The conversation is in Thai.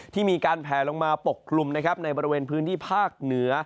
ที่มีการแผลลงมาปกคลุมนะครับในบริเวณพื้นที่ภาคเหนือ